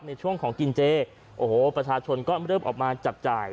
ในช่วงของกินเจโอ้โหประชาชนก็เริ่มออกมาจับจ่าย